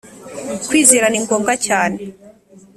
Kwizera ni ngombwa cyane